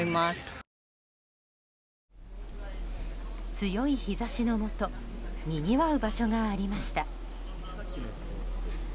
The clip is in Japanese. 強い日差しのもとにぎわう場所がありました。